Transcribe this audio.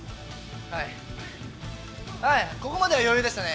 はい、ここまでは余裕でしたね。